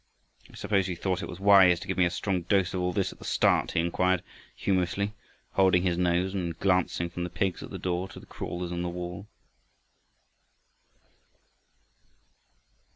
"I suppose you thought it wise to give me a strong dose of all this at the start?" he inquired humorously, holding his nose and glancing from the pigs at the door to the crawlers on the wall.